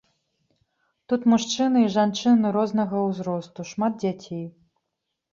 Тут мужчыны і жанчыны рознага ўзросту, шмат дзяцей.